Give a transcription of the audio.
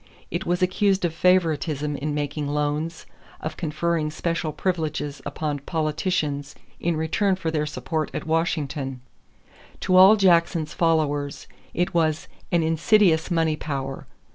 It was accused of favoritism in making loans, of conferring special privileges upon politicians in return for their support at Washington. To all Jackson's followers it was "an insidious money power."